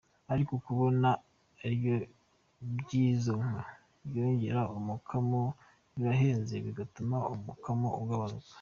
Ariko kubona ibiryo by’izo nka, byongera umukamo birahenze bigatuma umukamo ugabanuka.